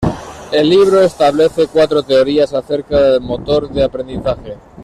El libro establece cuatro teorías acerca del motor de aprendizaje.